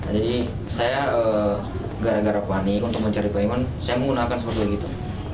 jadi saya gara gara panik untuk mencari pembayaran saya menggunakan seperti itu